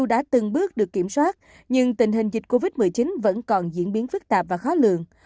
đã từng bước được kiểm soát nhưng tình hình dịch covid một mươi chín vẫn còn diễn biến phức tạp và khó lượng